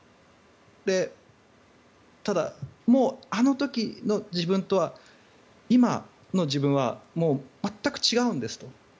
ただ、あの時の自分と今の自分はもう全く違うんですと。